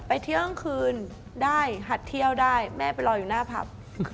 เที่ยงคืนได้หัดเที่ยวได้แม่ไปรออยู่หน้าผับ